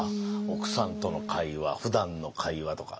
奥さんとの会話ふだんの会話とか。